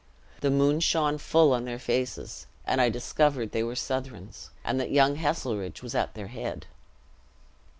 The moon shone full on their faces, and I discovered they were Southrons, and that young Heselrigge was at their head.